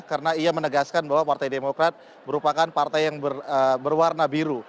karena ia menegaskan bahwa partai demokrat merupakan partai yang berwarna biru